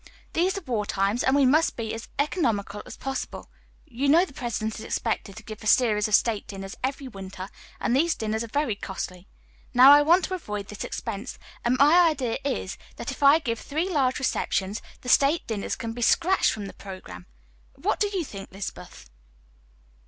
These are war times, and we must be as economical as possible. You know the President is expected to give a series of state dinners every winter, and these dinners are very costly; Now I want to avoid this expense; and my idea is, that if I give three large receptions, the state dinners can be scratched from the programme. What do you think, Lizabeth?"